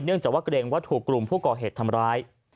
จากว่าเกรงว่าถูกกลุ่มผู้ก่อเหตุทำร้าย